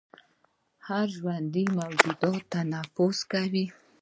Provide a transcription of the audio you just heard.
هر ژوندی موجود تنفس کوي